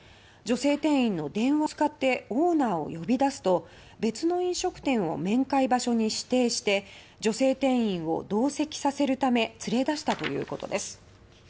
女性店員の電話を使ってオーナーを呼び出すと別の飲食店を面会場所に指定して女性店員を同席させるため連れ出したということです。